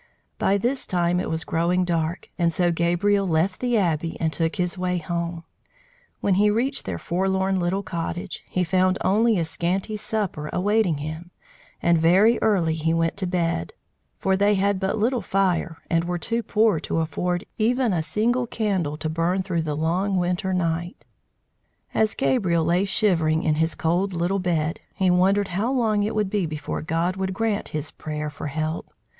By this time it was growing dark, and so Gabriel left the Abbey and took his way home. When he reached their forlorn little cottage, he found only a scanty supper awaiting him, and very early he went to bed; for they had but little fire and were too poor to afford even a single candle to burn through the long winter evening. [Illustration: "Taking down the book ... he unwrapped and unclasped it"] As Gabriel lay shivering in his cold little bed, he wondered how long it would be before God would grant his prayer for help.